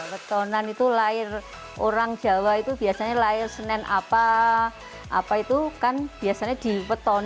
petonan itu lahir orang jawa itu biasanya lahir senen apa apa itu kan biasanya di peton